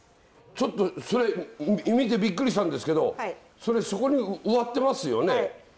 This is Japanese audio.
ちょっとそれ見てびっくりしたんですけどそれそこに植わってますよね？